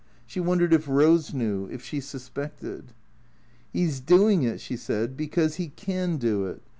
She wondered if Rose knew; if she suspected. " He 's doing it," she said, " because he can do it.